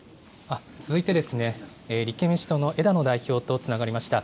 続いて、立憲民主党の枝野代表とつながりました。